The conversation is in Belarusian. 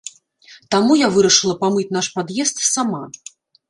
Таму я вырашыла памыць наш пад'езд сама.